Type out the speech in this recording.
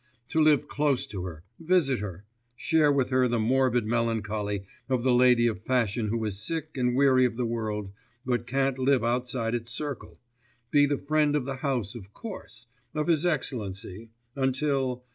To live close to her, visit her, share with her the morbid melancholy of the lady of fashion who is sick and weary of the world, but can't live outside its circle, be the friend of the house of course, of his Excellency ... until